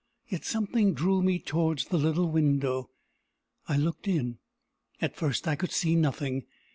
Yet something drew me towards the little window. I looked in. At first I could see nothing.